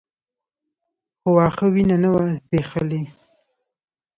خو واښه وينه نه وه ځبېښلې.